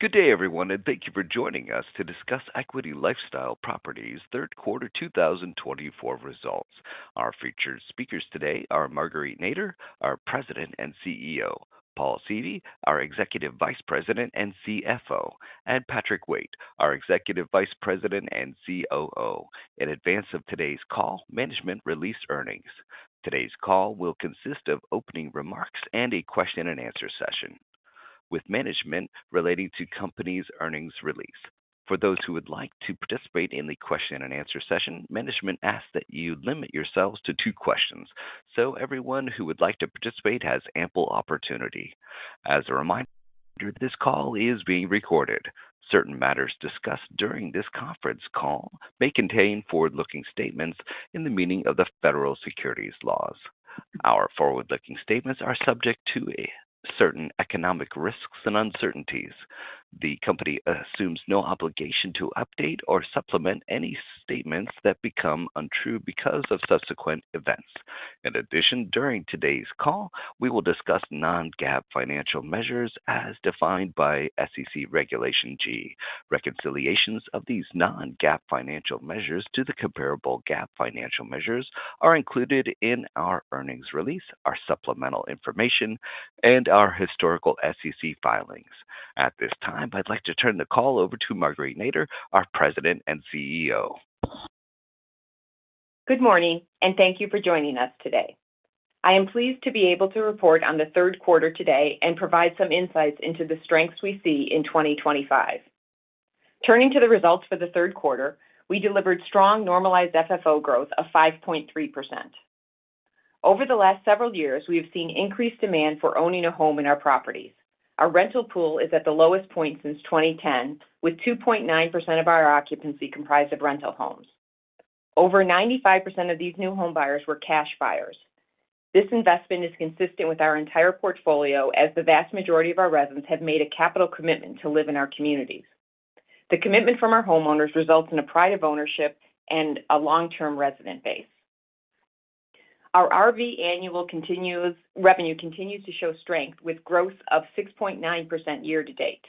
Good day, everyone, and thank you for joining us to discuss Equity LifeStyle Properties' third quarter 2024 results. Our featured speakers today are Marguerite Nader, our President and CEO; Paul Seavey, our EVP and CFO; and Patrick Waite, our EVP and COO. In advance of today's call, management released earnings. Today's call will consist of opening remarks and a question-and-answer session with management relating to company's earnings release. For those who would like to participate in the question-and-answer session, management asks that you limit yourselves to two questions, so everyone who would like to participate has ample opportunity. As a reminder, this call is being recorded. Certain matters discussed during this conference call may contain forward-looking statements in the meaning of the federal securities laws. Our forward-looking statements are subject to a certain economic risks and uncertainties. The company assumes no obligation to update or supplement any statements that become untrue because of subsequent events. In addition, during today's call, we will discuss non-GAAP financial measures as defined by SEC Regulation G. Reconciliations of these non-GAAP financial measures to the comparable GAAP financial measures are included in our earnings release, our supplemental information, and our historical SEC filings. At this time, I'd like to turn the call over to Marguerite Nader, our President and CEO. Good morning, and thank you for joining us today. I am pleased to be able to report on the third quarter today and provide some insights into the strengths we see in 2025. Turning to the results for the third quarter, we delivered strong normalized FFO growth of 5.3%. Over the last several years, we have seen increased demand for owning a home in our properties. Our rental pool is at the lowest point since 2010, with 2.9% of our occupancy comprised of rental homes. Over 95% of these new home buyers were cash buyers. This investment is consistent with our entire portfolio, as the vast majority of our residents have made a capital commitment to live in our communities. The commitment from our homeowners results in a pride of ownership and a long-term resident base. Our RV annual revenue continues to show strength, with growth of 6.9% year to date.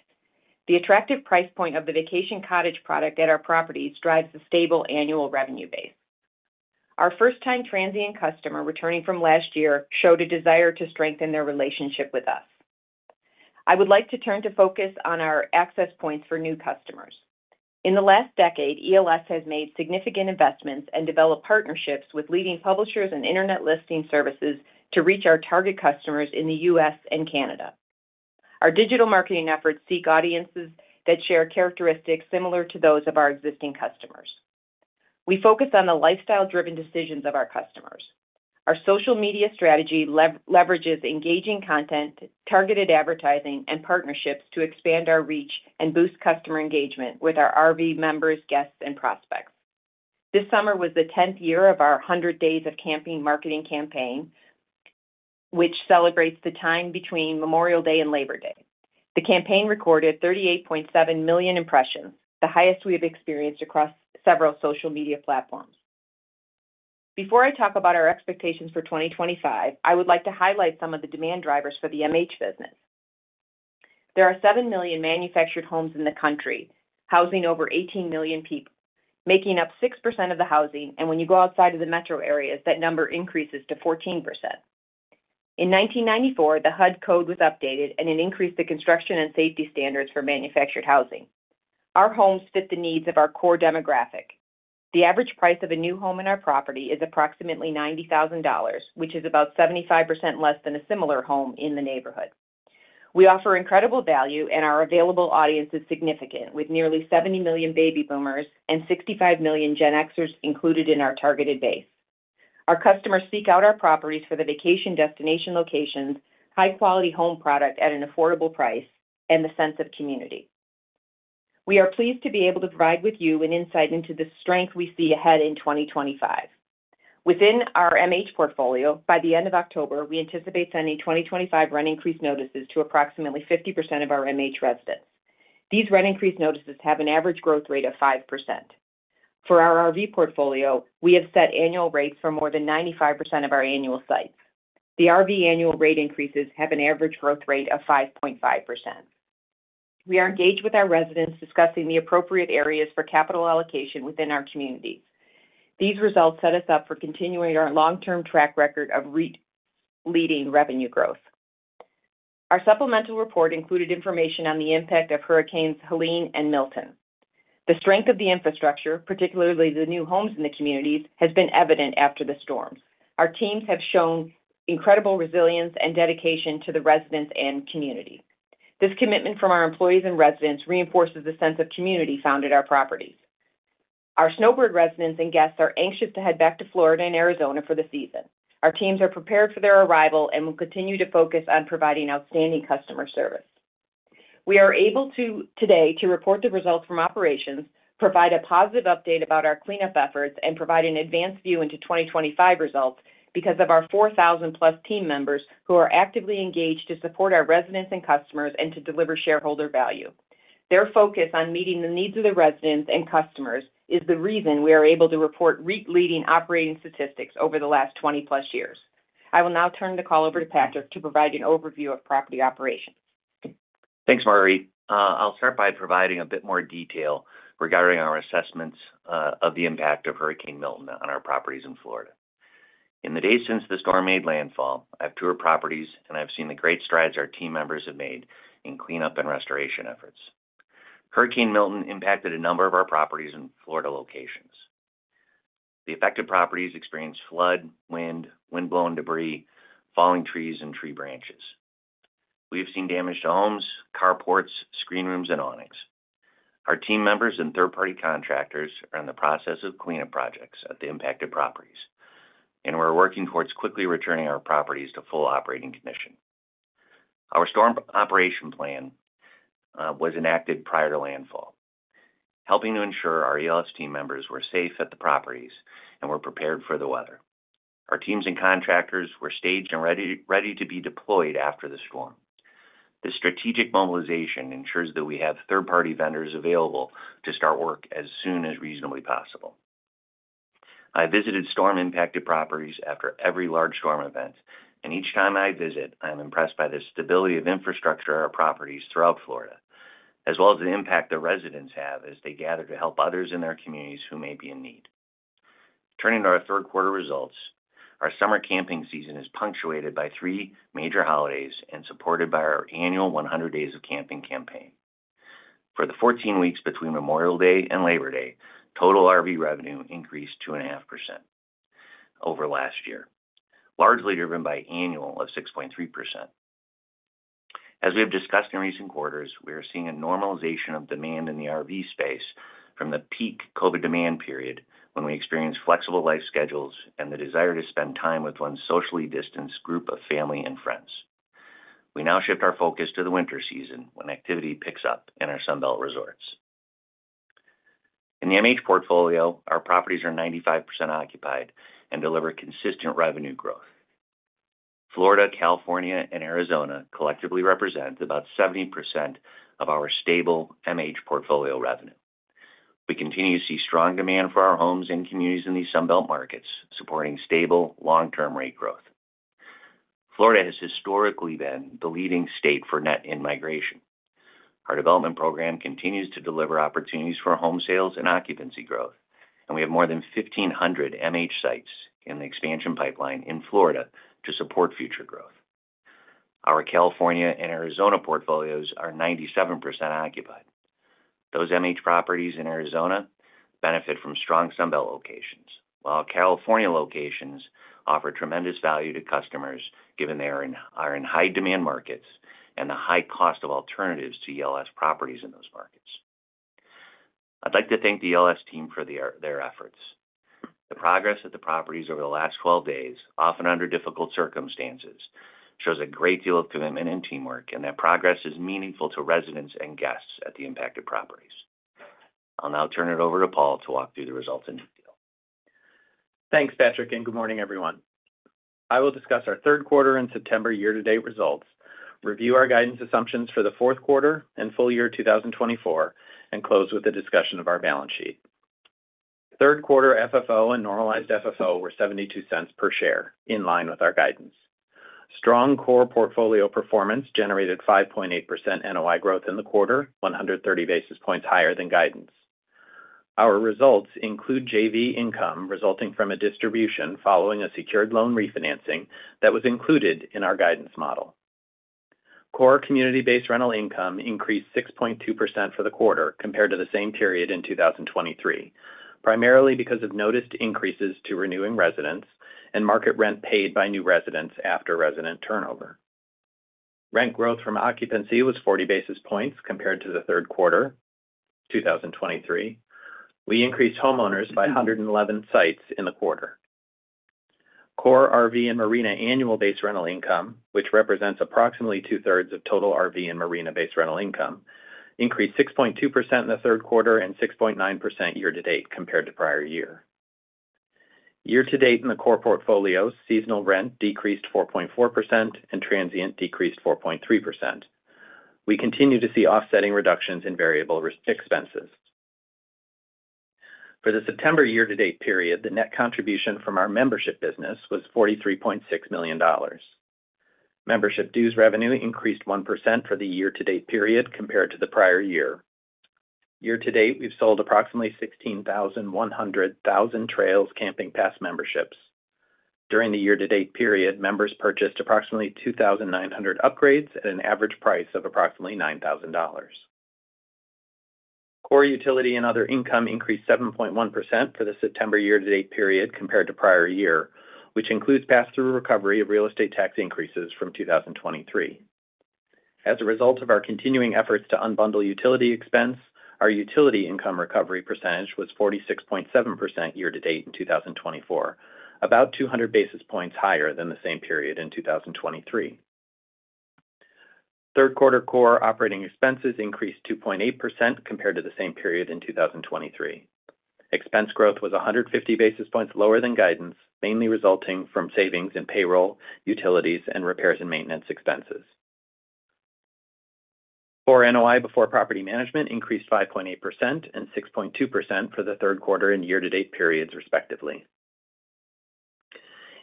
The attractive price point of the vacation cottage product at our properties drives the stable annual revenue base. Our first-time transient customer, returning from last year, showed a desire to strengthen their relationship with us. I would like to turn to focus on our access points for new customers. In the last decade, ELS has made significant investments and developed partnerships with leading publishers and internet listing services to reach our target customers in the U.S. and Canada. Our digital marketing efforts seek audiences that share characteristics similar to those of our existing customers. We focus on the lifestyle-driven decisions of our customers. Our social media strategy leverages engaging content, targeted advertising, and partnerships to expand our reach and boost customer engagement with our RV members, guests, and prospects. This summer was the tenth year of our 100 Days of Camping marketing campaign, which celebrates the time between Memorial Day and Labor Day. The campaign recorded 38.7 million impressions, the highest we have experienced across several social media platforms. Before I talk about our expectations for 2025, I would like to highlight some of the demand drivers for the MH business. There are 7 million manufactured homes in the country, housing over 18 million people, making up 6% of the housing, and when you go outside of the metro areas, that number increases to 14%. In 1994, the HUD code was updated, and it increased the construction and safety standards for manufactured housing. Our homes fit the needs of our core demographic. The average price of a new home in our property is approximately $90,000, which is about 75% less than a similar home in the neighborhood. We offer incredible value, and our available audience is significant, with nearly 70 million baby boomers and 65 million Gen Xers included in our targeted base. Our customers seek out our properties for the vacation destination locations, high-quality home product at an affordable price, and the sense of community. We are pleased to be able to provide with you an insight into the strength we see ahead in 2025. Within our MH portfolio, by the end of October, we anticipate sending 2025 rent increase notices to approximately 50% of our MH residents. These rent increase notices have an average growth rate of 5%. For our RV portfolio, we have set annual rates for more than 95% of our annual sites. The RV annual rate increases have an average growth rate of 5.5%. We are engaged with our residents, discussing the appropriate areas for capital allocation within our communities. These results set us up for continuing our long-term track record of REIT-leading revenue growth. Our supplemental report included information on the impact of Hurricanes Helene and Milton. The strength of the infrastructure, particularly the new homes in the communities, has been evident after the storms. Our teams have shown incredible resilience and dedication to the residents and community. This commitment from our employees and residents reinforces the sense of community found at our properties. Our snowbird residents and guests are anxious to head back to Florida and Arizona for the season. Our teams are prepared for their arrival and will continue to focus on providing outstanding customer service. We are able to, today, to report the results from operations, provide a positive update about our cleanup efforts, and provide an advanced view into 2025 results because of our 4,000-plus team members who are actively engaged to support our residents and customers and to deliver shareholder value. Their focus on meeting the needs of the residents and customers is the reason we are able to report record-leading operating statistics over the last 20-plus years. I will now turn the call over to Patrick to provide an overview of property operations. Thanks, Marguerite. I'll start by providing a bit more detail regarding our assessments of the impact of Hurricane Milton on our properties in Florida. In the days since the storm made landfall, I've toured properties, and I've seen the great strides our team members have made in cleanup and restoration efforts. Hurricane Milton impacted a number of our properties in Florida locations. The affected properties experienced flood, wind, wind-blown debris, falling trees, and tree branches. We have seen damage to homes, carports, screen rooms, and awnings. Our team members and third-party contractors are in the process of cleanup projects at the impacted properties, and we're working towards quickly returning our properties to full operating condition. Our storm operation plan was enacted prior to landfall, helping to ensure our ELS team members were safe at the properties and were prepared for the weather. Our teams and contractors were staged and ready, ready to be deployed after the storm. This strategic mobilization ensures that we have third-party vendors available to start work as soon as reasonably possible. I visited storm-impacted properties after every large storm event, and each time I visit, I am impressed by the stability of infrastructure of our properties throughout Florida, as well as the impact the residents have as they gather to help others in their communities who may be in need. Turning to our third quarter results, our summer camping season is punctuated by three major holidays and supported by our annual 100 Days of Camping campaign. For the 14 weeks between Memorial Day and Labor Day, total RV revenue increased 2.5% over last year, largely driven by annual of 6.3%. As we have discussed in recent quarters, we are seeing a normalization of demand in the RV space from the peak COVID demand period, when we experienced flexible life schedules and the desire to spend time with one socially distanced group of family and friends. We now shift our focus to the winter season, when activity picks up in our Sun Belt resorts. In the MH portfolio, our properties are 95% occupied and deliver consistent revenue growth. Florida, California, and Arizona collectively represent about 70% of our stable MH portfolio revenue. We continue to see strong demand for our homes and communities in these Sun Belt markets, supporting stable long-term rate growth. Florida has historically been the leading state for net in-migration. Our development program continues to deliver opportunities for home sales and occupancy growth, and we have more than 1,500 MH sites in the expansion pipeline in Florida to support future growth. Our California and Arizona portfolios are 97% occupied. Those MH properties in Arizona benefit from strong Sun Belt locations, while California locations offer tremendous value to customers, given they are in high-demand markets and the high cost of alternatives to ELS properties in those markets. I'd like to thank the ELS team for their efforts. The progress of the properties over the last 12 days, often under difficult circumstances, shows a great deal of commitment and teamwork, and that progress is meaningful to residents and guests at the impacted properties. I'll now turn it over to Paul to walk through the results in detail. Thanks, Patrick, and good morning, everyone. I will discuss our third quarter and September year-to-date results, review our guidance assumptions for the fourth quarter and full year 2024, and close with a discussion of our balance sheet. Third quarter FFO and normalized FFO were $0.72 per share, in line with our guidance. Strong core portfolio performance generated 5.8% NOI growth in the quarter, 130 basis points higher than guidance. Our results include JV income resulting from a distribution following a secured loan refinancing that was included in our guidance model. Core community-based rental income increased 6.2% for the quarter compared to the same period in 2023, primarily because of noticed increases to renewing residents and market rent paid by new residents after resident turnover. Rent growth from occupancy was 40 basis points compared to the third quarter 2023. We increased homeowners by 111 sites in the quarter. Core RV and Marina annual base rental income, which represents approximately two-thirds of total RV and Marina base rental income, increased 6.2% in the third quarter and 6.9% year to date compared to prior year. Year to date in the core portfolio, seasonal rent decreased 4.4% and transient decreased 4.3%. We continue to see offsetting reductions in variable rental expenses. For the September year-to-date period, the net contribution from our membership business was $43.6 million. Membership dues revenue increased 1% for the year-to-date period compared to the prior year. Year to date, we've sold approximately 16,100 Thousand Trails Camping Pass memberships. During the year-to-date period, members purchased approximately 2,900 upgrades at an average price of approximately $9,000. Core utility and other income increased 7.1% for the September year-to-date period compared to prior year, which includes pass-through recovery of real estate tax increases from 2023. As a result of our continuing efforts to unbundle utility expense, our utility income recovery percentage was 46.7% year to date in 2024, about 200 basis points higher than the same period in 2023. Third quarter core operating expenses increased 2.8% compared to the same period in 2023. Expense growth was 150 basis points lower than guidance, mainly resulting from savings in payroll, utilities, and repairs and maintenance expenses. Core NOI before property management increased 5.8% and 6.2% for the third quarter and year-to-date periods, respectively.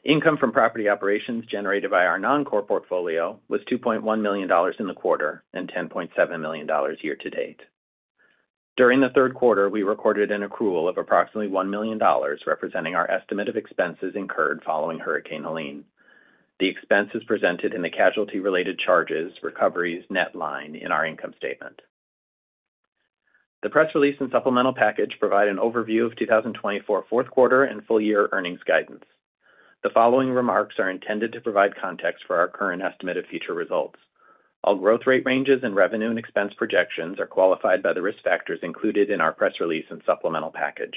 Income from property operations generated by our non-core portfolio was $2.1 million in the quarter and $10.7 million year to date. During the third quarter, we recorded an accrual of approximately $1 million, representing our estimate of expenses incurred following Hurricane Helene. The expense is presented in the casualty-related charges, recoveries net line in our income statement. The press release and supplemental package provide an overview of 2024 fourth quarter and full year earnings guidance. The following remarks are intended to provide context for our current estimated future results. All growth rate ranges and revenue and expense projections are qualified by the risk factors included in our press release and supplemental package.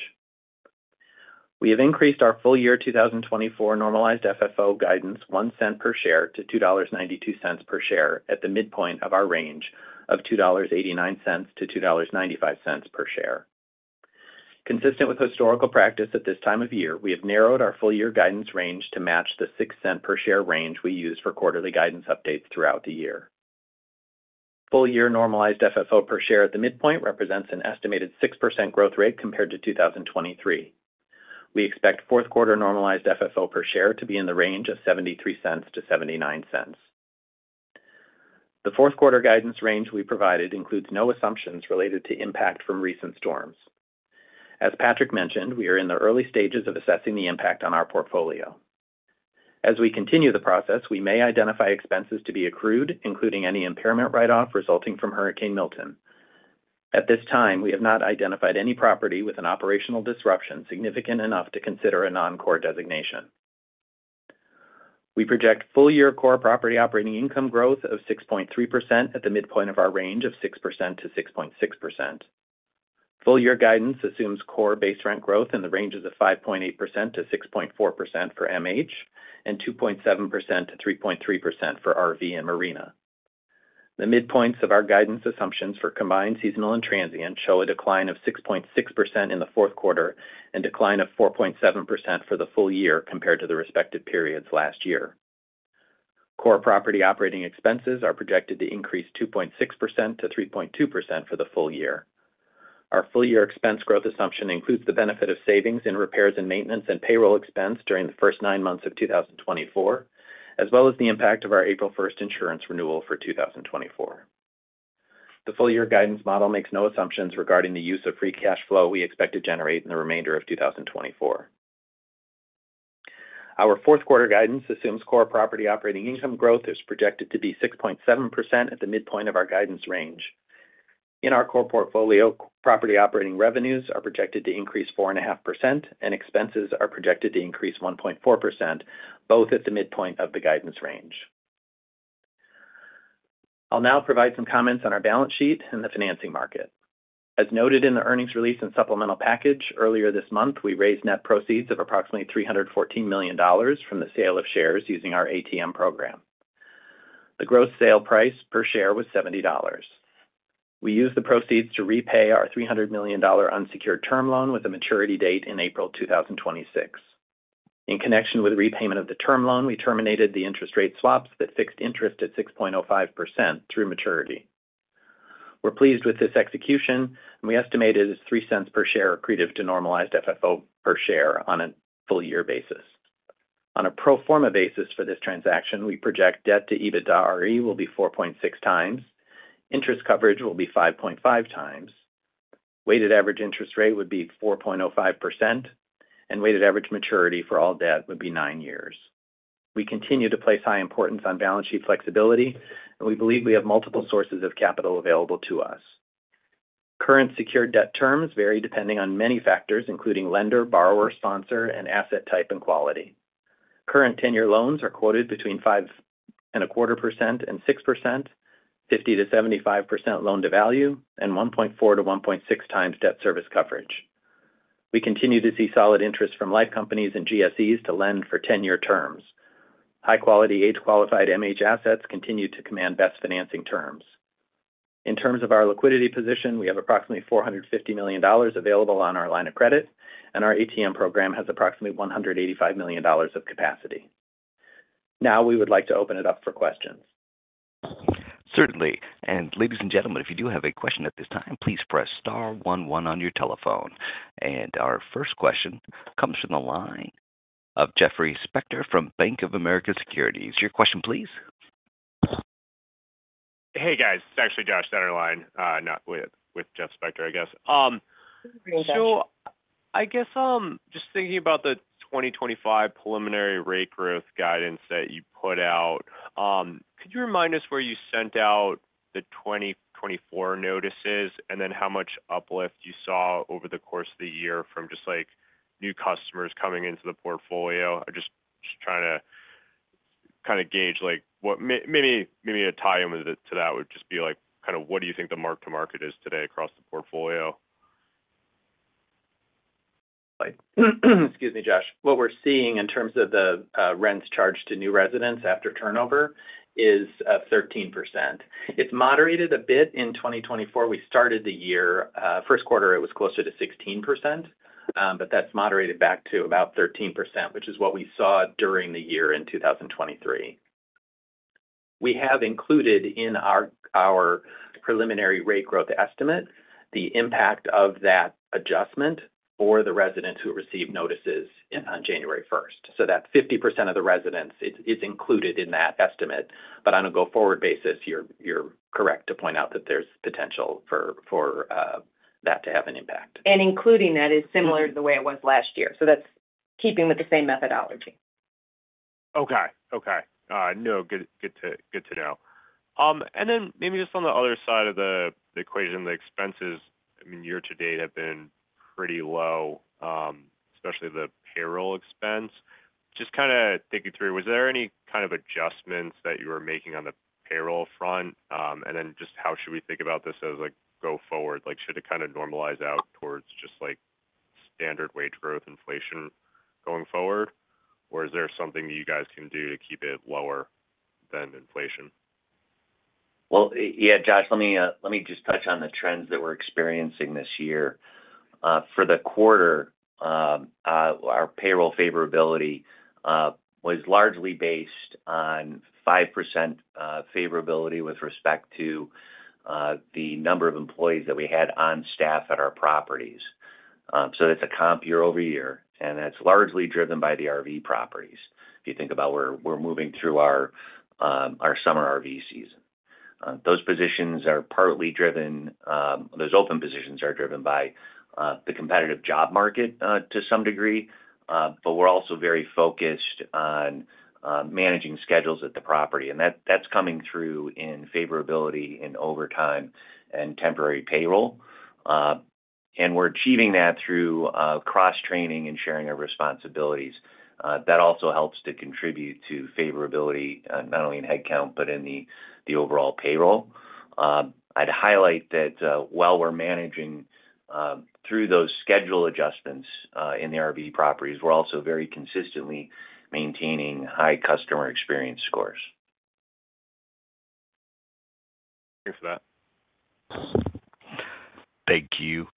We have increased our full year 2024 normalized FFO guidance $0.01 per share to $2.92 per share, at the midpoint of our range of $2.89-$2.95 per share. Consistent with historical practice at this time of year, we have narrowed our full year guidance range to match the $0.06 per share range we use for quarterly guidance updates throughout the year. Full year normalized FFO per share at the midpoint represents an estimated 6% growth rate compared to 2023. We expect fourth quarter normalized FFO per share to be in the range of $0.73-$0.79. The fourth quarter guidance range we provided includes no assumptions related to impact from recent storms. As Patrick mentioned, we are in the early stages of assessing the impact on our portfolio. As we continue the process, we may identify expenses to be accrued, including any impairment write-off resulting from Hurricane Milton. At this time, we have not identified any property with an operational disruption significant enough to consider a non-core designation. We project full year core property operating income growth of 6.3% at the midpoint of our range of 6%-6.6%. Full year guidance assumes core base rent growth in the ranges of 5.8%-6.4% for MH, and 2.7%-3.3% for RV and Marina. The midpoints of our guidance assumptions for combined, seasonal, and transient show a decline of 6.6% in the fourth quarter and decline of 4.7% for the full year compared to the respective periods last year. Core property operating expenses are projected to increase 2.6%-3.2% for the full year. Our full year expense growth assumption includes the benefit of savings in repairs and maintenance and payroll expense during the first nine months of 2024, as well as the impact of our April 1st insurance renewal for 2024. The full year guidance model makes no assumptions regarding the use of free cash flow we expect to generate in the remainder of 2024. Our fourth quarter guidance assumes core property operating income growth is projected to be 6.7% at the midpoint of our guidance range. In our core portfolio, property operating revenues are projected to increase 4.5%, and expenses are projected to increase 1.4%, both at the midpoint of the guidance range. I'll now provide some comments on our balance sheet and the financing market. As noted in the earnings release and supplemental package, earlier this month, we raised net proceeds of approximately $314 million from the sale of shares using our ATM program. The gross sale price per share was $70. We used the proceeds to repay our $300 million unsecured term loan with a maturity date in April 2026. In connection with repayment of the term loan, we terminated the interest rate swaps that fixed interest at 6.05% through maturity. We're pleased with this execution, and we estimate it is $0.03 per share accretive to normalized FFO per share on a full year basis. On a pro forma basis for this transaction, we project debt to EBITDARE will be 4.6 times, interest coverage will be 5.5 times, weighted average interest rate would be 4.05%, and weighted average maturity for all debt would be nine years. We continue to place high importance on balance sheet flexibility, and we believe we have multiple sources of capital available to us. Current secured debt terms vary depending on many factors, including lender, borrower, sponsor, and asset type and quality. Current term loans are quoted between 5.25% and 6%, 50%-75% loan to value, and 1.4-1.6 times debt service coverage. We continue to see solid interest from life companies and GSEs to lend for ten-year terms. High-quality, age-qualified MH assets continue to command best financing terms. In terms of our liquidity position, we have approximately $450 million available on our line of credit, and our ATM program has approximately $185 million of capacity. Now, we would like to open it up for questions. Certainly. And ladies and gentlemen, if you do have a question at this time, please press star one one on your telephone. And our first question comes from the line of Jeffrey Spector from Bank of America Securities. Your question, please? Hey, guys, it's actually Joshua Dennerlein, not with Jeffrey Spector, I guess. Hey, Josh. So I guess, just thinking about the 2024 preliminary rate growth guidance that you put out, could you remind us where you sent out the 2024 notices? And then how much uplift you saw over the course of the year from just, like, new customers coming into the portfolio? I'm just trying to kind of gauge, like, what... Maybe a tie-in to that would just be, like, kind of what do you think the mark to market is today across the portfolio? Excuse me, Josh. What we're seeing in terms of the rents charged to new residents after turnover is 13%. It's moderated a bit in 2024. We started the year. First quarter, it was closer to 16%. But that's moderated back to about 13%, which is what we saw during the year in 2023. We have included in our preliminary rate growth estimate the impact of that adjustment for the residents who received notices in on January 1st. So that 50% of the residents is included in that estimate. But on a go-forward basis, you're correct to point out that there's potential for that to have an impact. Including that is similar to the way it was last year. That's keeping with the same methodology. Okay. Good to know. And then maybe just on the other side of the equation, the expenses, I mean, year-to-date have been pretty low, especially the payroll expense. Just kind of walk you through, was there any kind of adjustments that you were making on the payroll front? And then just how should we think about this as like, go forward? Like, should it kind of normalize out towards just like standard wage growth, inflation going forward? Or is there something that you guys can do to keep it lower than inflation? Yeah, Josh, let me just touch on the trends that we're experiencing this year. For the quarter, our payroll favorability was largely based on 5% favorability with respect to the number of employees that we had on staff at our properties. So it's a comp year-over-year, and that's largely driven by the RV properties. If you think about where we're moving through our summer RV season. Those open positions are driven by the competitive job market to some degree. But we're also very focused on managing schedules at the property, and that's coming through in favorability, in overtime, and temporary payroll. And we're achieving that through cross-training and sharing our responsibilities. That also helps to contribute to favorability, not only in headcount, but in the overall payroll. I'd highlight that, while we're managing through those schedule adjustments in the RV properties, we're also very consistently maintaining high customer experience scores. Thank you for that. Thank you,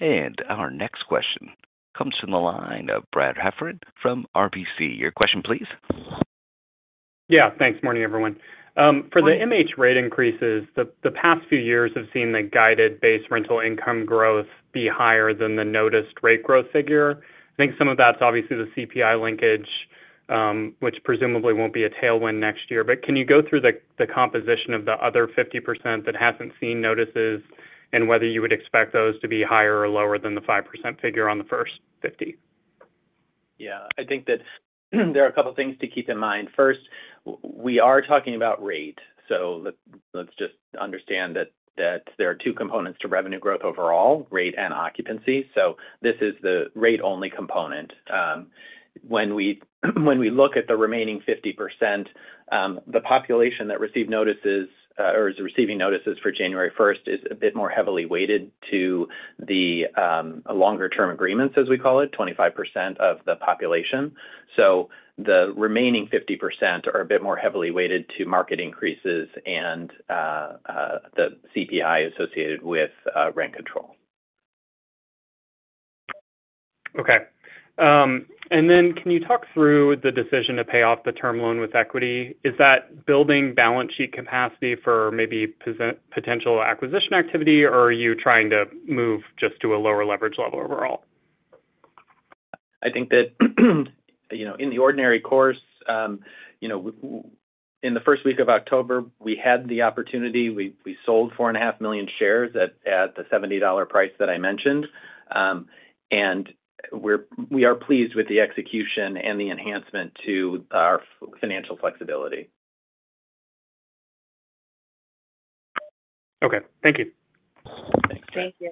and our next question comes from the line of Brad Heffern from RBC. Your question, please. Yeah, thanks. Morning, everyone. For the MH rate increases, the past few years have seen the guided base rental income growth be higher than the noticed rate growth figure. I think some of that's obviously the CPI linkage, which presumably won't be a tailwind next year. But can you go through the composition of the other 50% that hasn't seen notices, and whether you would expect those to be higher or lower than the 5% figure on the first 50%? Yeah. I think that there are a couple things to keep in mind. First, we are talking about rate, so let's just understand that there are two components to revenue growth overall: rate and occupancy. So this is the rate-only component. When we look at the remaining 50%, the population that received notices or is receiving notices for January first is a bit more heavily weighted to the longer term agreements, as we call it, 25% of the population. So the remaining 50% are a bit more heavily weighted to market increases and the CPI associated with rent control. Okay. And then can you talk through the decision to pay off the term loan with equity? Is that building balance sheet capacity for maybe potential acquisition activity, or are you trying to move just to a lower leverage level overall? I think that, you know, in the ordinary course, you know, in the first week of October, we had the opportunity, we sold 4.5 million shares at the $70 price that I mentioned. And we are pleased with the execution and the enhancement to our financial flexibility. Okay. Thank you. Thank you.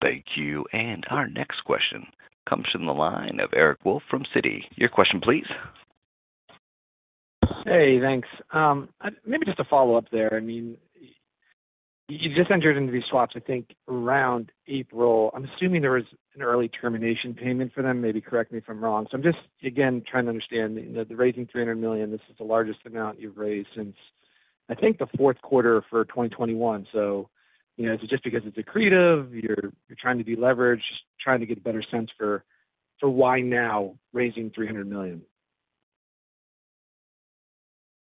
Thank you. And our next question comes from the line of Eric Wolfe from Citi. Your question please. Hey, thanks. Maybe just to follow up there, I mean, you just entered into these swaps, I think, around April. I'm assuming there was an early termination payment for them, maybe correct me if I'm wrong. So I'm just, again, trying to understand, you know, the raising $300 million, this is the largest amount you've raised since, I think, the fourth quarter of 2021. So, you know, is it just because it's accretive, you're trying to deleverage, trying to get a better sense for why now, raising $300 million?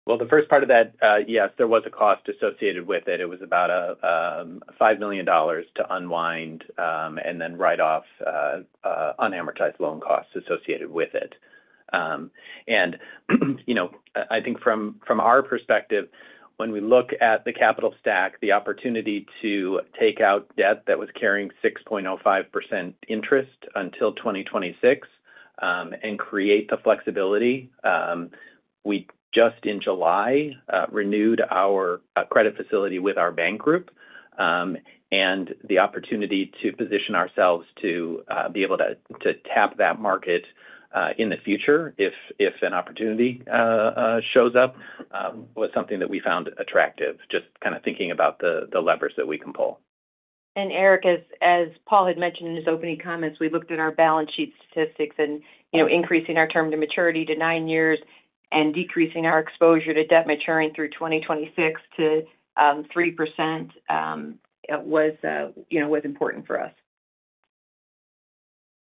The first part of that, yes, there was a cost associated with it. It was about $5 million to unwind, and then write off unamortized loan costs associated with it. And, you know, I think from our perspective, when we look at the capital stack, the opportunity to take out debt that was carrying 6.05% interest until 2026, and create the flexibility, we just in July renewed our credit facility with our bank group. And the opportunity to position ourselves to be able to tap that market in the future if an opportunity shows up was something that we found attractive, just kind of thinking about the levers that we can pull. Eric, as Paul had mentioned in his opening comments, we looked at our balance sheet statistics and, you know, increasing our term to maturity to nine years and decreasing our exposure to debt maturing through 2026 to 3%, it was, you know, important for us....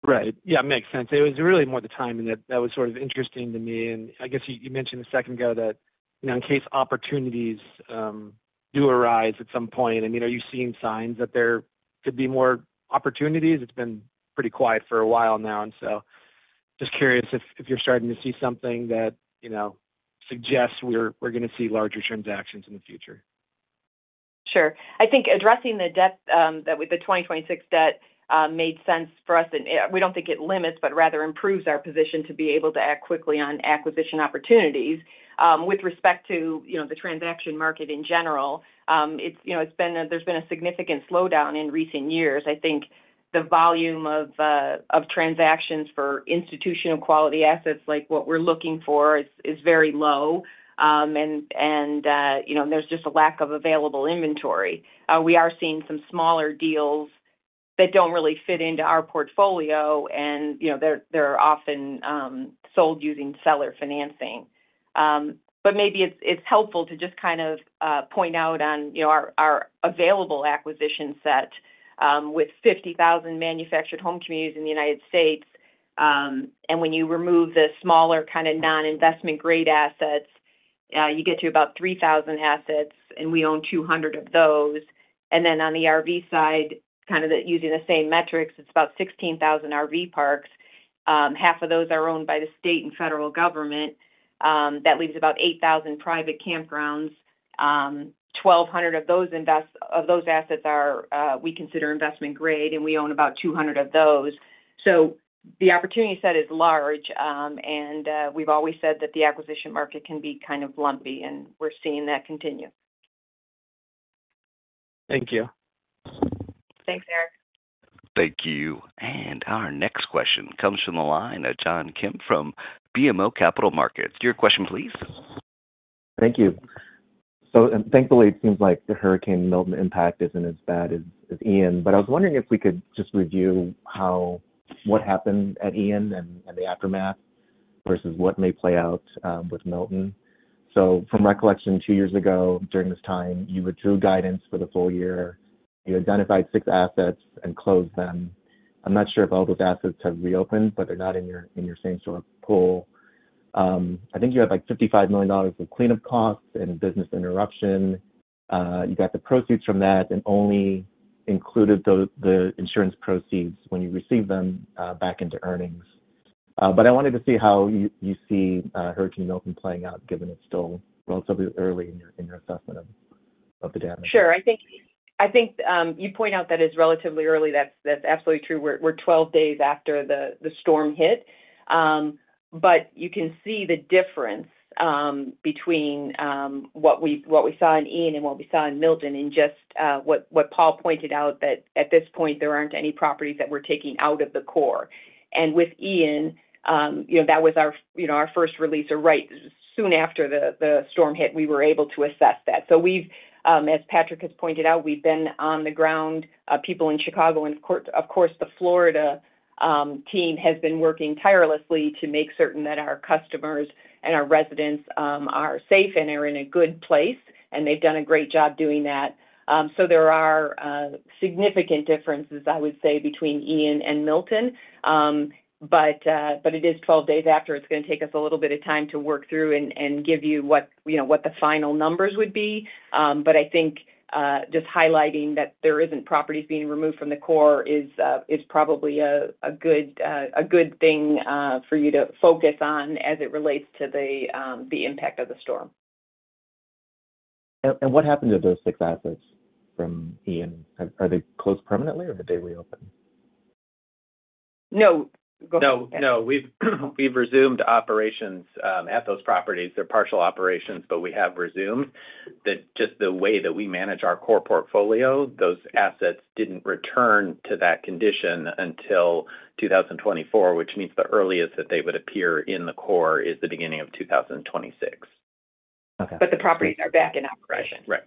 Right. Yeah, makes sense. It was really more the timing that was sort of interesting to me. And I guess you mentioned a second ago that, you know, in case opportunities do arise at some point, I mean, are you seeing signs that there could be more opportunities? It's been pretty quiet for a while now, and so just curious if you're starting to see something that, you know, suggests we're gonna see larger transactions in the future. Sure. I think addressing the debt that with the 2026 debt made sense for us, and we don't think it limits, but rather improves our position to be able to act quickly on acquisition opportunities. With respect to, you know, the transaction market in general, it's, you know, it's been a significant slowdown in recent years. I think the volume of transactions for institutional quality assets, like what we're looking for, is very low. And, you know, there's just a lack of available inventory. We are seeing some smaller deals that don't really fit into our portfolio, and, you know, they're often sold using seller financing. But maybe it's helpful to just kind of point out, you know, our available acquisition set with 50,000 manufactured home communities in the United States, and when you remove the smaller, kind of, non-investment-grade assets, you get to about 3,000 assets, and we own 200 of those. And then on the RV side, kind of using the same metrics, it's about 16,000 RV parks. Half of those are owned by the state and federal government. That leaves about 8,000 private campgrounds. 1,200 of those assets we consider investment-grade, and we own about 200 of those. So the opportunity set is large, and we've always said that the acquisition market can be kind of lumpy, and we're seeing that continue. Thank you. Thanks, Eric. Thank you. And our next question comes from the line of John Kim from BMO Capital Markets. Your question, please. Thank you. So, and thankfully, it seems like the Hurricane Milton impact isn't as bad as Ian, but I was wondering if we could just review how what happened at Ian and the aftermath versus what may play out with Milton. So from recollection, two years ago, during this time, you withdrew guidance for the full year. You identified six assets and closed them. I'm not sure if all those assets have reopened, but they're not in your same sort of pool. I think you had, like, $55 million in cleanup costs and business interruption. You got the proceeds from that and only included the insurance proceeds when you received them back into earnings. But I wanted to see how you see Hurricane Milton playing out, given it's still relatively early in your assessment of the damage? Sure. I think you point out that it's relatively early. That's absolutely true. We're 12 days after the storm hit, but you can see the difference between what we saw in Ian and what we saw in Milton, in just what Paul pointed out, that at this point, there aren't any properties that we're taking out of the core, and with Ian, you know, that was our first release, or right soon after the storm hit, we were able to assess that. So we've, as Patrick has pointed out, we've been on the ground, people in Chicago and of course, the Florida team has been working tirelessly to make certain that our customers and our residents are safe and are in a good place, and they've done a great job doing that. So there are significant differences, I would say, between Ian and Milton. But it is twelve days after. It's gonna take us a little bit of time to work through and give you what, you know, what the final numbers would be. But I think just highlighting that there isn't properties being removed from the core is probably a good thing for you to focus on as it relates to the impact of the storm. What happened to those six assets from Ian? Are they closed permanently, or did they reopen? No. Go- No, no. We've resumed operations at those properties. They're partial operations, but we have resumed. Just the way that we manage our core portfolio, those assets didn't return to that condition until 2024, which means the earliest that they would appear in the core is the beginning of 2026. Okay. But the properties are back in operation. Right.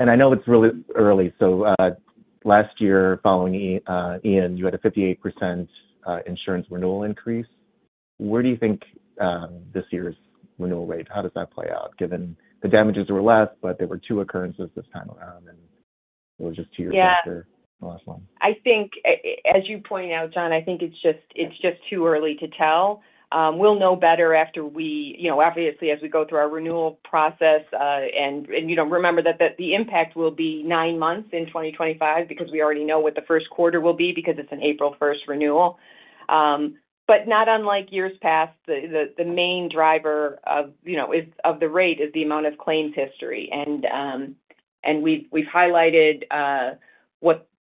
I know it's really early, so last year, following Ian, you had a 58% insurance renewal increase. Where do you think this year's renewal rate, how does that play out, given the damages were less, but there were two occurrences this time around, and it was just two years- Yeah after the last one? I think, as you pointed out, John, I think it's just too early to tell. We'll know better after we... You know, obviously, as we go through our renewal process, and you know, remember that the impact will be nine months in 2025 because we already know what the first quarter will be because it's an April first renewal. But not unlike years past, the main driver, you know, of the rate is the amount of claims history. And we've highlighted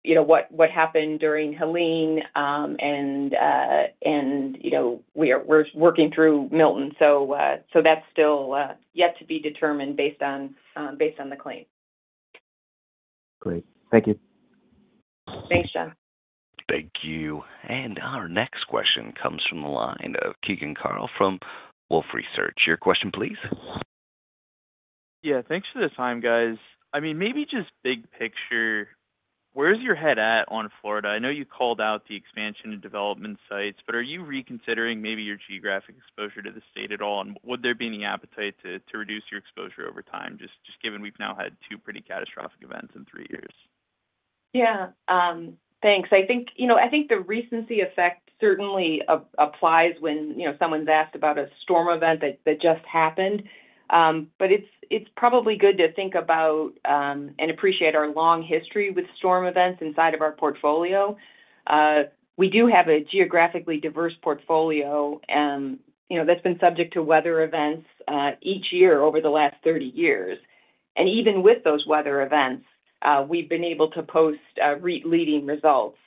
what happened during Helene, and you know, we're working through Milton. So that's still yet to be determined based on the claim. Great. Thank you. Thanks, John. Thank you. And our next question comes from the line of Keegan Carl from Wolfe Research. Your question, please. Yeah, thanks for the time, guys. I mean, maybe just big picture, where is your head at on Florida? I know you called out the expansion and development sites, but are you reconsidering maybe your geographic exposure to the state at all, and would there be any appetite to reduce your exposure over time, just given we've now had two pretty catastrophic events in three years?... Yeah, thanks. I think, you know, I think the recency effect certainly applies when, you know, someone's asked about a storm event that just happened. But it's probably good to think about and appreciate our long history with storm events inside of our portfolio. We do have a geographically diverse portfolio, and, you know, that's been subject to weather events each year over the last thirty years. And even with those weather events, we've been able to post REIT leading results.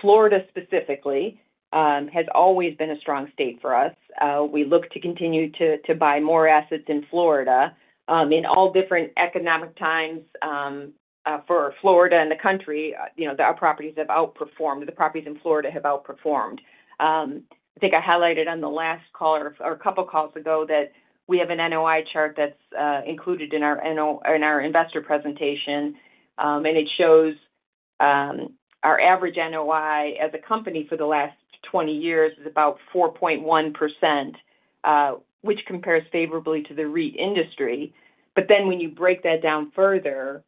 Florida, specifically, has always been a strong state for us. We look to continue to buy more assets in Florida. In all different economic times for Florida and the country, you know, our properties have outperformed. The properties in Florida have outperformed. I think I highlighted on the last call or a couple of calls ago, that we have an NOI chart that's included in our investor presentation, and it shows our average NOI as a company for the last 20 years is about 4.1%, which compares favorably to the REIT industry. But then when you break that down further,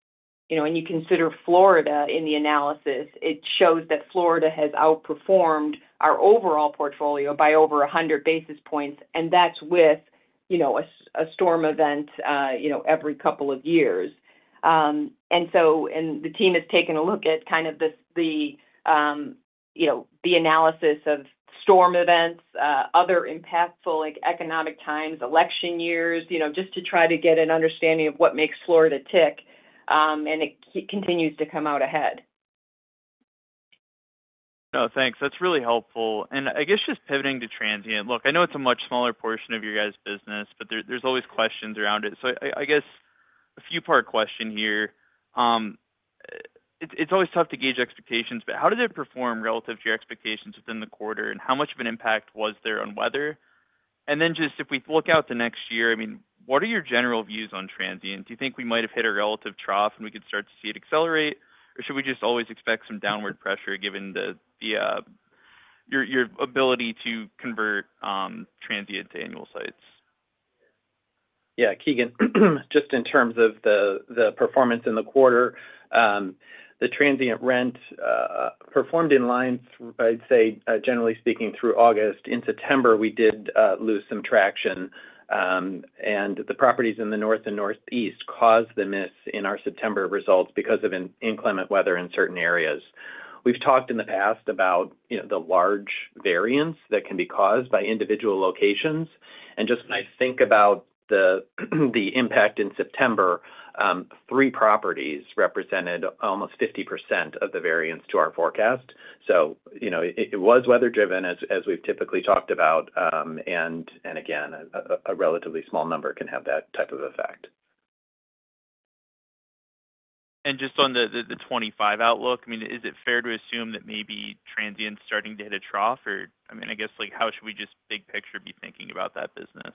you know, and you consider Florida in the analysis, it shows that Florida has outperformed our overall portfolio by over 100 basis points, and that's with, you know, a storm event every couple of years. And so, and the team has taken a look at kind of this, the, you know, the analysis of storm events, other impactful, like, economic times, election years, you know, just to try to get an understanding of what makes Florida tick, and it continues to come out ahead. Oh, thanks. That's really helpful, and I guess just pivoting to transient. Look, I know it's a much smaller portion of your guys' business, but there's always questions around it. So I guess a few-part question here. It's always tough to gauge expectations, but how did it perform relative to your expectations within the quarter, and how much of an impact was there on weather? And then just if we look out the next year, I mean, what are your general views on transient? Do you think we might have hit a relative trough, and we could start to see it accelerate, or should we just always expect some downward pressure, given your ability to convert transient to annual sites? Yeah, Keegan, just in terms of the performance in the quarter, the transient rent performed in line, I'd say, generally speaking, through August. In September, we did lose some traction, and the properties in the North and Northeast caused the miss in our September results because of inclement weather in certain areas. We've talked in the past about, you know, the large variance that can be caused by individual locations. And just when I think about the impact in September, three properties represented almost 50% of the variance to our forecast. So, you know, it was weather-driven, as we've typically talked about, and again, a relatively small number can have that type of effect. Just on the twenty-five outlook, I mean, is it fair to assume that maybe transient is starting to hit a trough? Or, I mean, I guess, like, how should we just big picture be thinking about that business?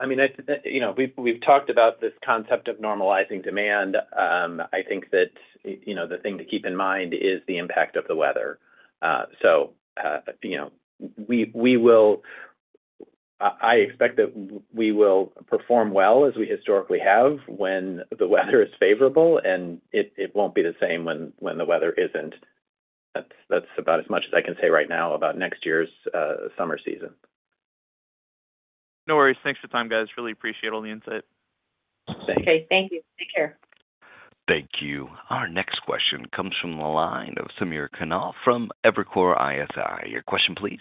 I mean, that. You know, we've talked about this concept of normalizing demand. I think that, you know, the thing to keep in mind is the impact of the weather. So, you know, we will. I expect that we will perform well, as we historically have, when the weather is favorable, and it won't be the same when the weather isn't. That's about as much as I can say right now about next year's summer season. No worries. Thanks for the time, guys. Really appreciate all the insight. Okay. Thank you. Take care. Thank you. Our next question comes from the line of Samir Khanal from Evercore ISI. Your question, please.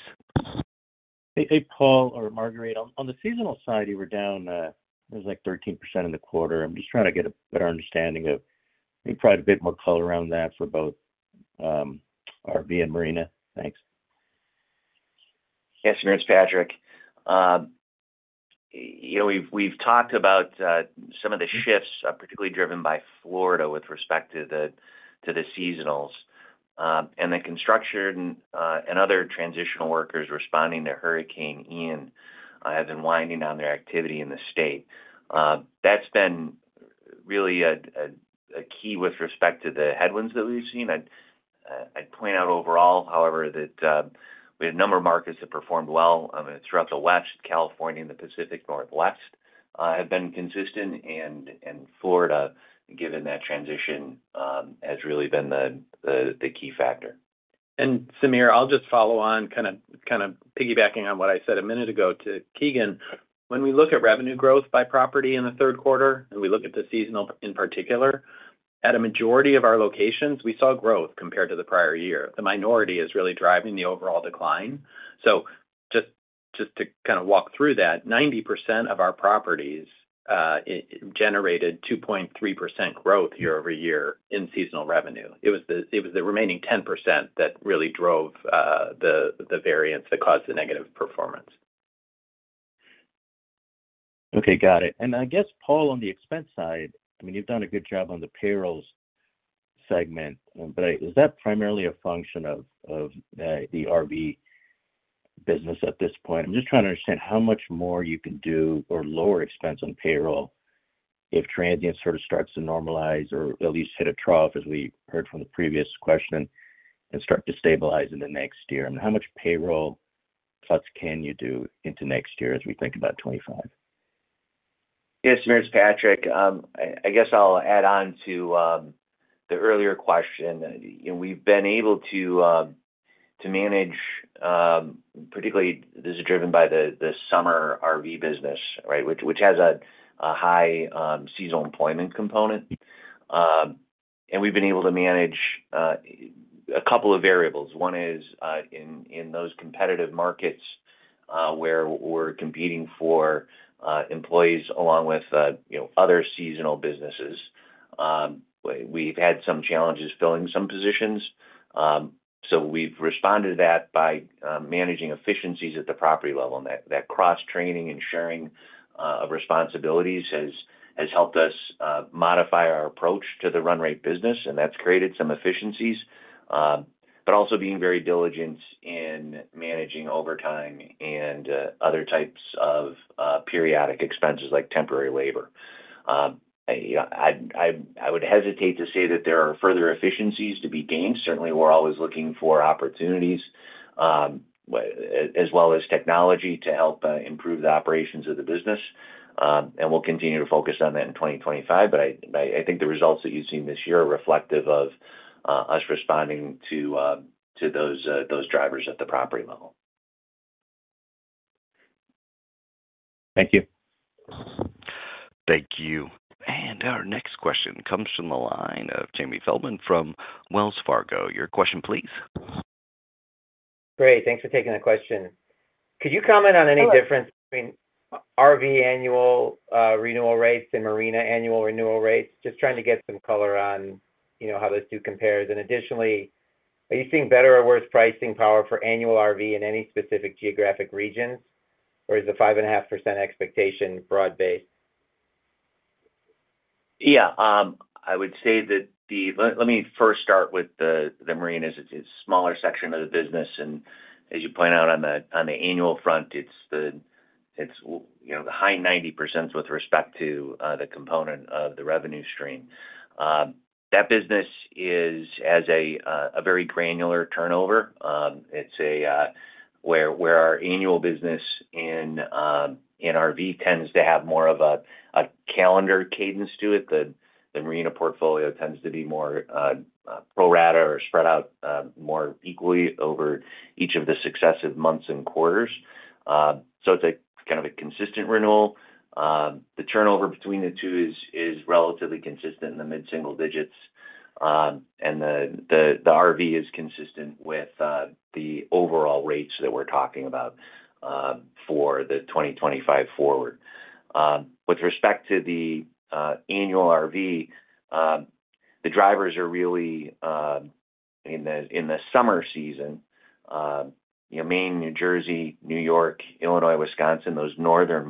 Hey, hey, Paul or Marguerite. On the seasonal side, you were down. It was like 13% in the quarter. I'm just trying to get a better understanding of maybe probably a bit more color around that for both RV and Marina. Thanks. Yes, Samir, it's Patrick. You know, we've talked about some of the shifts, particularly driven by Florida with respect to the seasonals. And the construction and other transitional workers responding to Hurricane Ian have been winding down their activity in the state. That's been really a key with respect to the headwinds that we've seen. I'd point out overall, however, that we had a number of markets that performed well throughout the West, California, and the Pacific Northwest have been consistent. And Florida, given that transition, has really been the key factor. And, Samir, I'll just follow on, kind of piggybacking on what I said a minute ago to Keegan. When we look at revenue growth by property in the third quarter, and we look at the seasonal in particular, at a majority of our locations, we saw growth compared to the prior year. The minority is really driving the overall decline. So just to kind of walk through that, 90% of our properties generated 2.3% growth year-over-year in seasonal revenue. It was the remaining 10% that really drove the variance that caused the negative performance. Okay, got it. And I guess, Paul, on the expense side, I mean, you've done a good job on the payrolls segment, but is that primarily a function of the RV business at this point? I'm just trying to understand how much more you can do or lower expense on payroll if transient sort of starts to normalize or at least hit a trough, as we heard from the previous question, and start to stabilize in the next year. I mean, how much payroll cuts can you do into next year as we think about 2025?... Yes, Patrick, I guess I'll add on to the earlier question. You know, we've been able to manage, particularly this is driven by the summer RV business, right? Which has a high seasonal employment component. And we've been able to manage a couple of variables. One is in those competitive markets where we're competing for employees along with you know, other seasonal businesses, we've had some challenges filling some positions. So we've responded to that by managing efficiencies at the property level, and that cross-training and sharing of responsibilities has helped us modify our approach to the run rate business, and that's created some efficiencies. But also being very diligent in managing overtime and other types of periodic expenses like temporary labor. I would hesitate to say that there are further efficiencies to be gained. Certainly, we're always looking for opportunities, as well as technology to help improve the operations of the business, and we'll continue to focus on that in twenty twenty-five, but I think the results that you've seen this year are reflective of us responding to those drivers at the property level. Thank you. Thank you. And our next question comes from the line of Jamie Feldman from Wells Fargo. Your question, please. Great, thanks for taking the question. Could you comment on any difference between RV annual renewal rates and marina annual renewal rates? Just trying to get some color on, you know, how those two compares. And additionally, are you seeing better or worse pricing power for annual RV in any specific geographic regions, or is the 5.5% expectation broad-based? Yeah, I would say that the... Let me first start with the marinas. It's a smaller section of the business, and as you point out on the annual front, it's you know, the high 90s% with respect to the component of the revenue stream. That business has a very granular turnover. It's where our annual business in RV tends to have more of a calendar cadence to it. The marina portfolio tends to be more pro rata or spread out more equally over each of the successive months and quarters. So it's a kind of a consistent renewal. The turnover between the two is relatively consistent in the mid-single digits. And the RV is consistent with the overall rates that we're talking about for the twenty twenty-five forward. With respect to the annual RV, the drivers are really in the summer season. You know, Maine, New Jersey, New York, Illinois, Wisconsin, those northern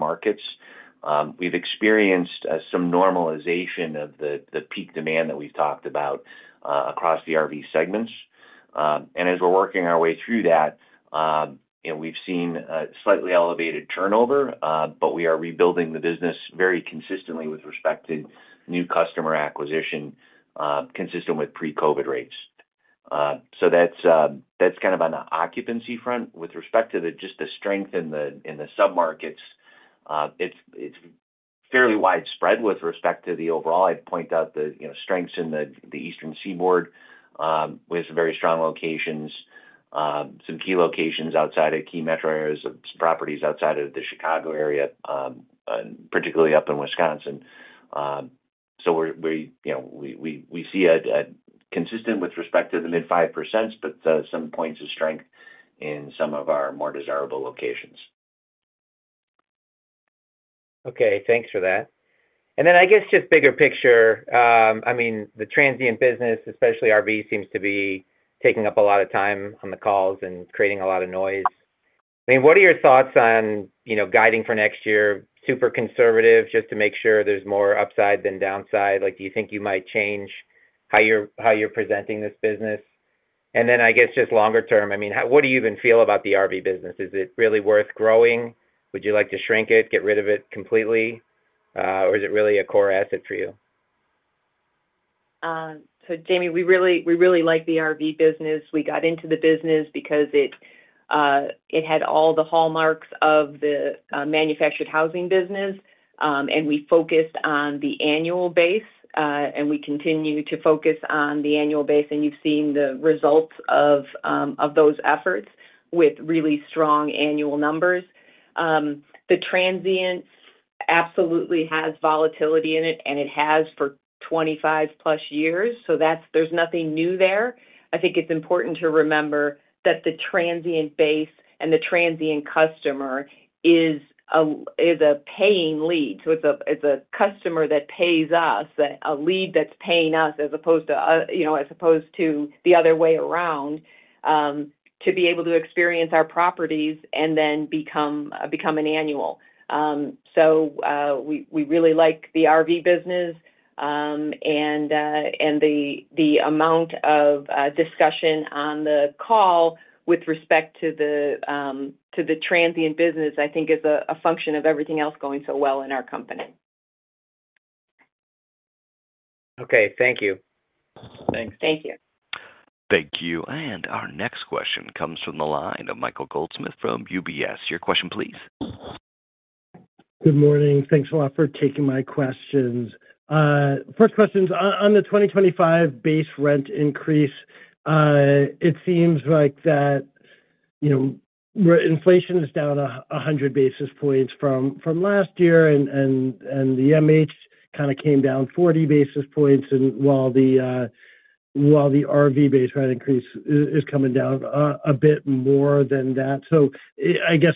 markets, we've experienced some normalization of the peak demand that we've talked about across the RV segments. And as we're working our way through that, and we've seen a slightly elevated turnover, but we are rebuilding the business very consistently with respect to new customer acquisition, consistent with pre-COVID rates. So that's kind of on the occupancy front. With respect to just the strength in the submarkets, it's fairly widespread with respect to the overall. I'd point out the, you know, strengths in the Eastern Seaboard with some very strong locations, some key locations outside of key metro areas, some properties outside of the Chicago area, and particularly up in Wisconsin. So we, you know, we see a consistent with respect to the mid-5%, but some points of strength in some of our more desirable locations. Okay, thanks for that. And then I guess just bigger picture, I mean, the transient business, especially RV, seems to be taking up a lot of time on the calls and creating a lot of noise. I mean, what are your thoughts on, you know, guiding for next year? Super conservative, just to make sure there's more upside than downside. Like, do you think you might change how you're presenting this business? And then I guess just longer term, I mean, what do you even feel about the RV business? Is it really worth growing? Would you like to shrink it, get rid of it completely, or is it really a core asset for you? So Jamie, we really, we really like the RV business. We got into the business because it, it had all the hallmarks of the, manufactured housing business. And we focused on the annual base, and we continue to focus on the annual base, and you've seen the results of, of those efforts with really strong annual numbers. The transient absolutely has volatility in it, and it has for twenty-five plus years, so that's. There's nothing new there. I think it's important to remember that the transient base and the transient customer is a paying lead. So it's a customer that pays us, a lead that's paying us as opposed to, you know, as opposed to the other way around, to be able to experience our properties and then become, become an annual. So, we really like the RV business. And the amount of discussion on the call with respect to the transient business, I think is a function of everything else going so well in our company.... Okay, thank you. Thanks. Thank you. Thank you. And our next question comes from the line of Michael Goldsmith from UBS. Your question, please. Good morning. Thanks a lot for taking my questions. First question is on the twenty twenty-five base rent increase. It seems like that, you know, where inflation is down 100 basis points from last year, and the MH kind of came down 40 basis points, and while the RV base rent increase is coming down a bit more than that. So I guess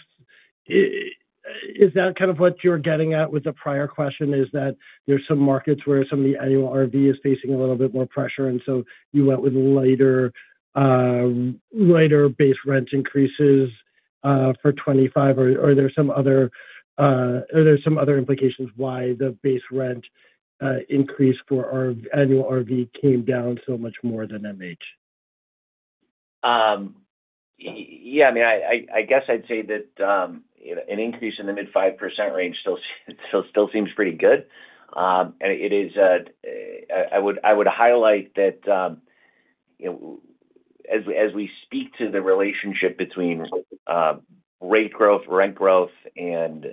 is that kind of what you're getting at with the prior question, is that there's some markets where some of the annual RV is facing a little bit more pressure, and so you went with lighter base rent increases for twenty-five? Or, are there some other implications why the base rent increase for our annual RV came down so much more than MH? Yeah, I mean, I guess I'd say that, you know, an increase in the mid-5% range still seems pretty good. And it is, I would highlight that, you know, as we speak to the relationship between rate growth, rent growth, and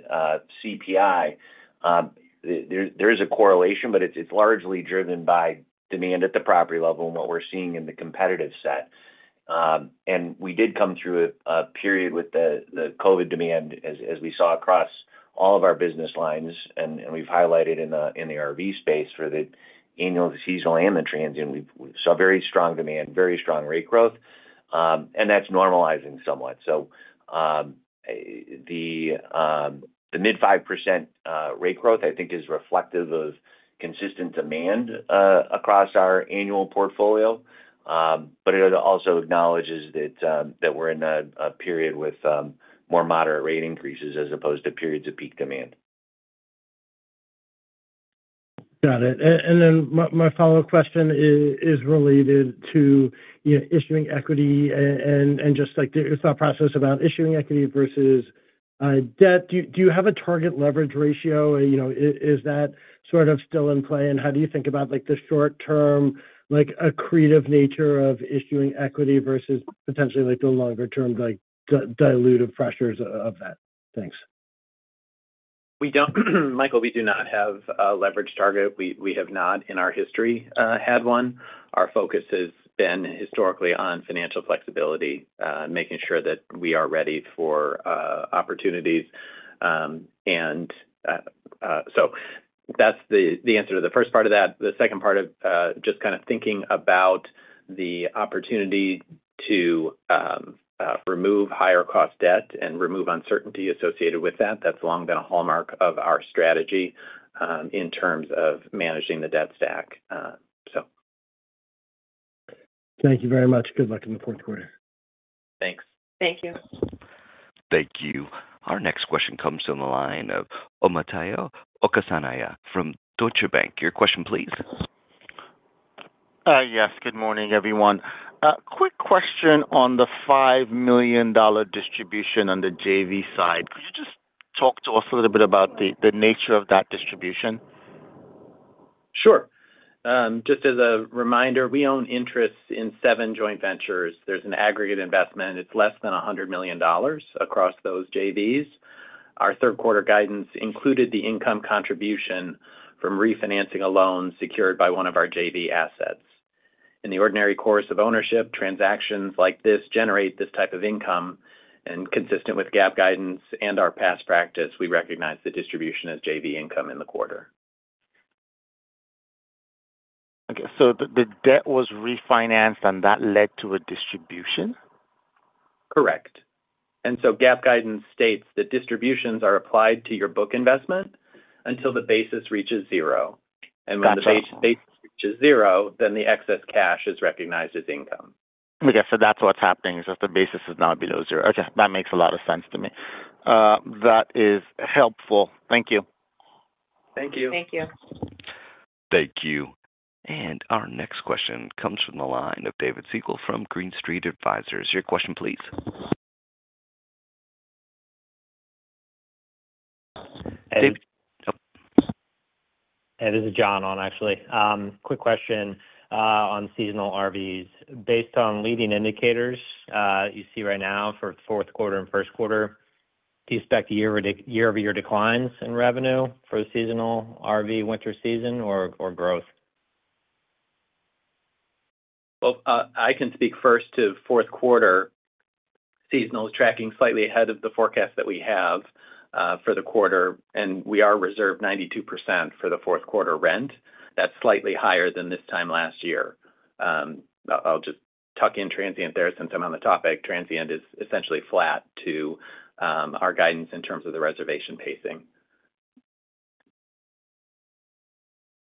CPI, there is a correlation, but it's largely driven by demand at the property level and what we're seeing in the competitive set. And we did come through a period with the COVID demand, as we saw across all of our business lines, and we've highlighted in the RV space for the annual, seasonal, and the transient. We saw very strong demand, very strong rate growth, and that's normalizing somewhat. So, the mid-5% rate growth, I think, is reflective of consistent demand across our annual portfolio. But it also acknowledges that we're in a period with more moderate rate increases as opposed to periods of peak demand. Got it. And then my follow-up question is related to, you know, issuing equity and just, like, the thought process about issuing equity versus debt. Do you have a target leverage ratio? You know, is that sort of still in play? And how do you think about, like, the short term, like, accretive nature of issuing equity versus potentially, like, the longer term, like, dilutive pressures of that? Thanks. We don't, Michael, we do not have a leverage target. We, we have not, in our history, had one. Our focus has been historically on financial flexibility, making sure that we are ready for opportunities, and so that's the answer to the first part of that. The second part of just kind of thinking about the opportunity to remove higher cost debt and remove uncertainty associated with that, that's long been a hallmark of our strategy, in terms of managing the debt stack, so. Thank you very much. Good luck in the fourth quarter. Thanks. Thank you. Thank you. Our next question comes from the line of Omotayo Okusanya from Deutsche Bank. Your question, please. Yes. Good morning, everyone. A quick question on the $5 million distribution on the JV side. Could you just talk to us a little bit about the nature of that distribution? Sure. Just as a reminder, we own interests in seven joint ventures. There's an aggregate investment, it's less than $100 million across those JVs. Our third quarter guidance included the income contribution from refinancing a loan secured by one of our JV assets. In the ordinary course of ownership, transactions like this generate this type of income, and consistent with GAAP guidance and our past practice, we recognize the distribution as JV income in the quarter. Okay, so the debt was refinanced, and that led to a distribution? Correct. And so GAAP guidance states that distributions are applied to your book investment until the basis reaches zero. Gotcha. When the base reaches zero, then the excess cash is recognized as income. Okay, so that's what's happening, is that the basis is now below zero. Okay, that makes a lot of sense to me. That is helpful. Thank you. Thank you. Thank you. Thank you. And our next question comes from the line of David Siegel from Green Street Advisors. Your question, please. Hey- Dave? Hey, this is John on, actually. Quick question on seasonal RVs. Based on leading indicators you see right now for fourth quarter and first quarter, do you expect year-over-year declines in revenue for the seasonal RV winter season or growth? I can speak first to fourth quarter. Seasonal is tracking slightly ahead of the forecast that we have for the quarter, and we are reserved 92% for the fourth quarter rent. That's slightly higher than this time last year. I'll just tuck in transient there since I'm on the topic. Transient is essentially flat to our guidance in terms of the reservation pacing.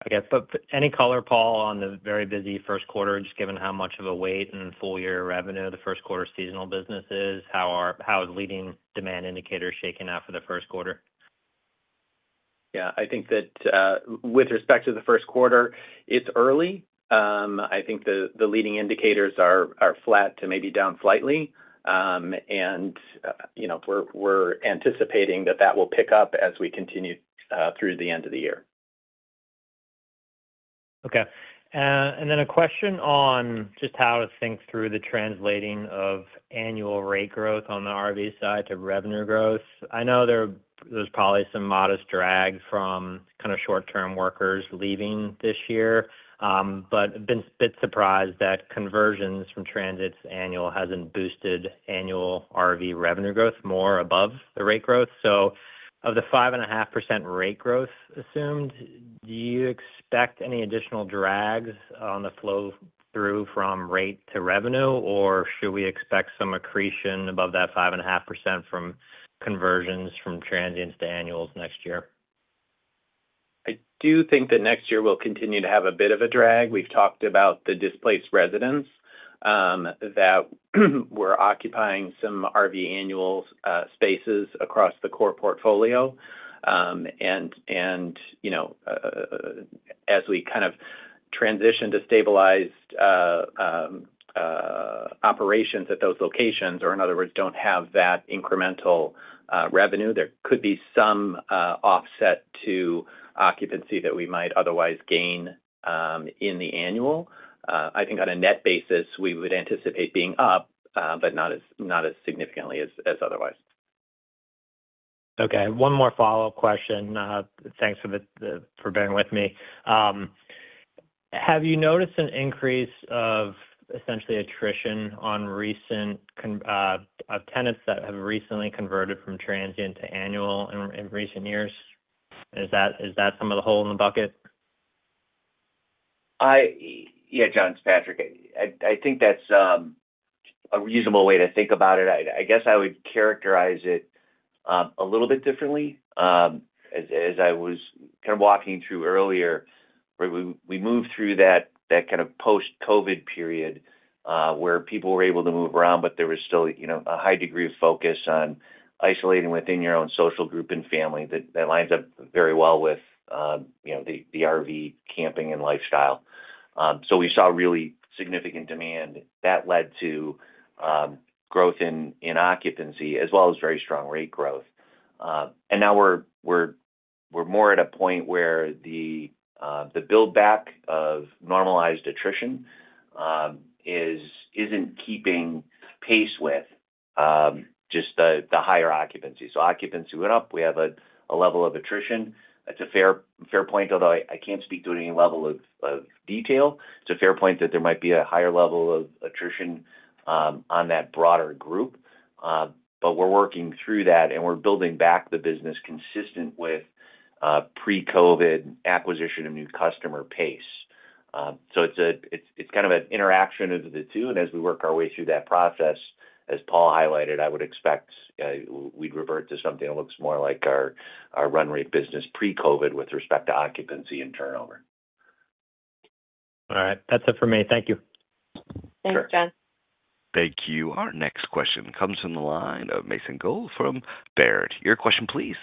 Okay. But any color, Paul, on the very busy first quarter, just given how much of a weight in full year revenue the first quarter seasonal business is, how is leading demand indicators shaking out for the first quarter? Yeah, I think that with respect to the first quarter, it's early. I think the leading indicators are flat to maybe down slightly. And you know, we're anticipating that will pick up as we continue through the end of the year. ... Okay. And then a question on just how to think through the translating of annual rate growth on the RV side to revenue growth. I know there, there's probably some modest drag from kind of short-term workers leaving this year, but I've been a bit surprised that conversions from transients to annual hasn't boosted annual RV revenue growth more above the rate growth. So of the 5.5% rate growth assumed, do you expect any additional drags on the flow through from rate to revenue? Or should we expect some accretion above that 5.5% from conversions from transients to annuals next year? I do think that next year we'll continue to have a bit of a drag. We've talked about the displaced residents that were occupying some RV annuals spaces across the core portfolio. And you know, as we kind of transition to stabilized operations at those locations, or in other words, don't have that incremental revenue, there could be some offset to occupancy that we might otherwise gain in the annual. I think on a net basis, we would anticipate being up, but not as significantly as otherwise. Okay, one more follow-up question. Thanks for bearing with me. Have you noticed an increase of essentially attrition on recent conversions of tenants that have recently converted from transient to annual in recent years? Is that some of the hole in the bucket? Yeah, John, it's Patrick. I think that's a reasonable way to think about it. I guess I would characterize it a little bit differently. As I was kind of walking you through earlier, where we moved through that kind of post-COVID period, where people were able to move around, but there was still, you know, a high degree of focus on isolating within your own social group and family. That lines up very well with, you know, the RV camping and lifestyle. So we saw really significant demand. That led to growth in occupancy, as well as very strong rate growth. And now we're more at a point where the build back of normalized attrition isn't keeping pace with just the higher occupancy. Occupancy went up. We have a level of attrition. That's a fair point, although I can't speak to any level of detail. It's a fair point that there might be a higher level of attrition on that broader group. But we're working through that, and we're building back the business consistent with pre-COVID acquisition and new customer pace. It's kind of an interaction of the two, and as we work our way through that process, as Paul highlighted, I would expect we'd revert to something that looks more like our run rate business pre-COVID with respect to occupancy and turnover. All right, that's it for me. Thank you. Sure. Thank you. Our next question comes from the line of Mason Guell from Baird. Your question please.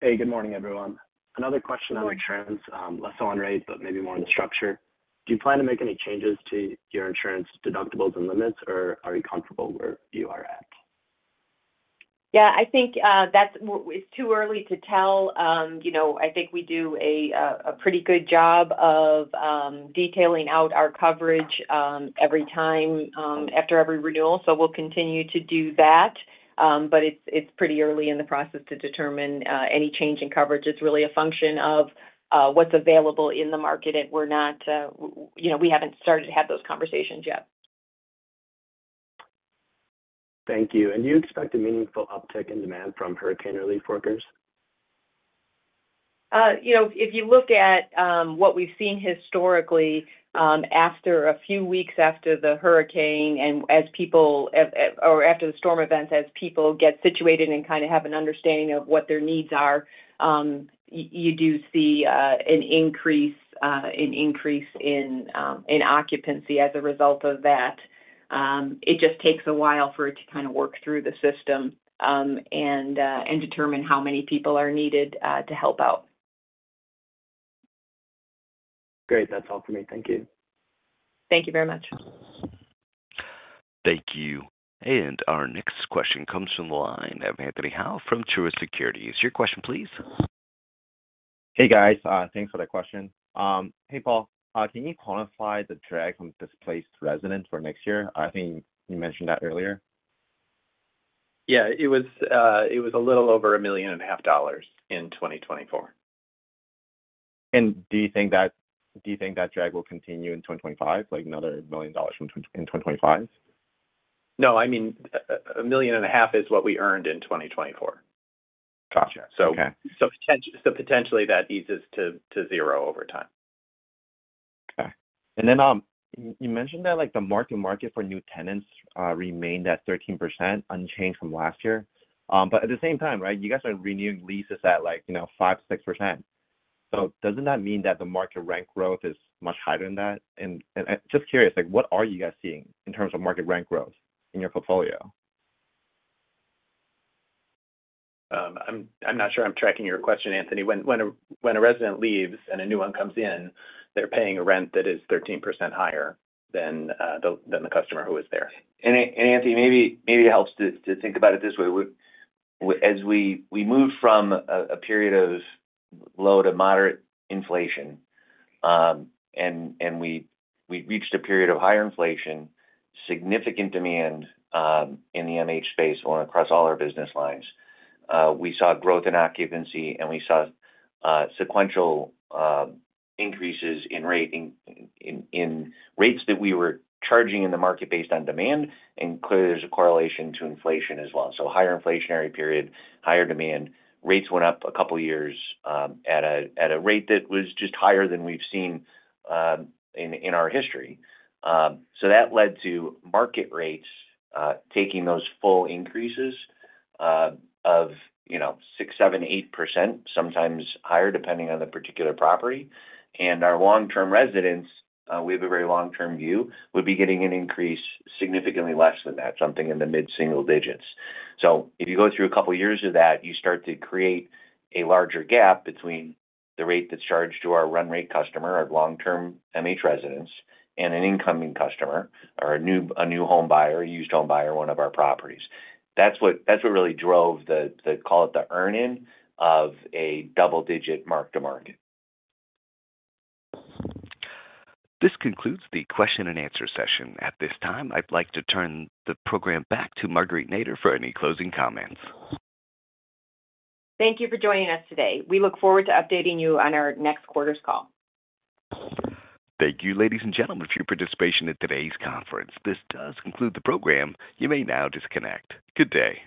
Hey, good morning, everyone. Another question on insurance, less on rate, but maybe more on the structure. Do you plan to make any changes to your insurance deductibles and limits, or are you comfortable where you are at? Yeah, I think that's it. It's too early to tell. You know, I think we do a pretty good job of detailing out our coverage every time after every renewal, so we'll continue to do that. But it's pretty early in the process to determine any change in coverage. It's really a function of what's available in the market, and we're not, you know, we haven't started to have those conversations yet. Thank you. And do you expect a meaningful uptick in demand from hurricane relief workers? You know, if you look at what we've seen historically, after a few weeks after the hurricane and as people or after the storm events, as people get situated and kind of have an understanding of what their needs are, you do see an increase in occupancy as a result of that. It just takes a while for it to kind of work through the system, and determine how many people are needed to help out. Great. That's all for me. Thank you. Thank you very much. Thank you. And our next question comes from the line of Anthony Hau from Truist Securities. Your question please. Hey, guys. Thanks for the question. Hey, Paul, can you quantify the drag from displaced residents for next year? I think you mentioned that earlier. Yeah. It was a little over $1.5 million in 2024. Do you think that drag will continue in 2025, like another $1 million from in 2025? No, I mean, $1.5 million is what we earned in 2024. Gotcha. So- Okay. So potentially, that eases to zero over time. Okay. And then, you mentioned that, like, the mark-to-market for new tenants, remained at 13%, unchanged from last year. But at the same time, right, you guys are renewing leases at, like, you know, 5%-6%. So doesn't that mean that the mark to rent growth is much higher than that? And, and just curious, like, what are you guys seeing in terms of market rent growth in your portfolio? I'm not sure I'm tracking your question, Anthony. When a resident leaves and a new one comes in, they're paying a rent that is 13% higher than the customer who was there. Anthony, maybe it helps to think about it this way. As we moved from a period of low to moderate inflation, and we reached a period of higher inflation, significant demand in the MH space or across all our business lines. We saw growth in occupancy, and we saw sequential increases in rates that we were charging in the market based on demand, and clearly, there's a correlation to inflation as well. Higher inflationary period, higher demand. Rates went up a couple of years at a rate that was just higher than we've seen in our history. That led to market rates taking those full increases of, you know, 6%, 7%, 8%, sometimes higher, depending on the particular property. Our long-term residents, we have a very long-term view, would be getting an increase significantly less than that, something in the mid-single digits. So if you go through a couple of years of that, you start to create a larger gap between the rate that's charged to our run rate customer, our long-term MH residents, and an incoming customer or a new home buyer, a used home buyer, one of our properties. That's what really drove the call it, the earn-in of a double-digit mark-to-market. This concludes the question and answer session. At this time, I'd like to turn the program back to Marguerite Nader for any closing comments. Thank you for joining us today. We look forward to updating you on our next quarter's call. Thank you, ladies and gentlemen, for your participation in today's conference. This does conclude the program. You may now disconnect. Good day.